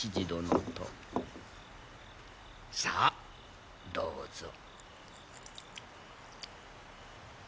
さあどうぞ。